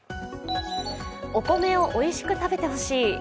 お米をおいしく食べてほしい。